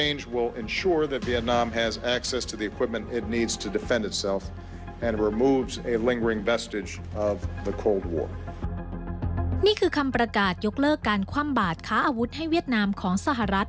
นี่คือคำประกาศยกเลิกการคว่ำบาดค้าอาวุธให้เวียดนามของสหรัฐ